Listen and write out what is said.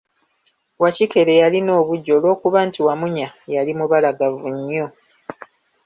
Wakikere yalina obuggya olw'okuba nti wamunya yali mubalagavu nnyo.